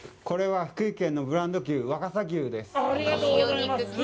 これは、福井県のブランド牛若狭牛です。